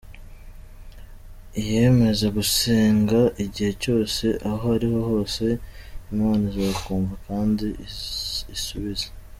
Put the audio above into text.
Iyemeze gusenga igihe cyose aho ari ho hose, Imana izakumva kandi isubize.